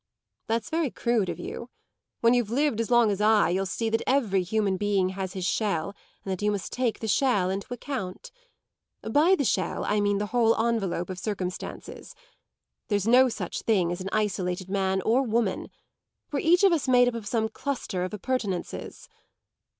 "That's very crude of you. When you've lived as long as I you'll see that every human being has his shell and that you must take the shell into account. By the shell I mean the whole envelope of circumstances. There's no such thing as an isolated man or woman; we're each of us made up of some cluster of appurtenances.